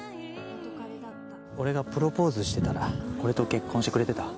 俺がプロポーズしてたら俺と結婚してくれてた？